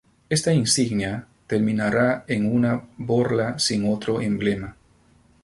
Esta insignia terminará en una borla sin otro emblema.